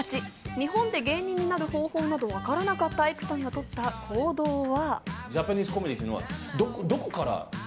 日本で芸人になる方法などわからなかったアイクさんのとった行動は。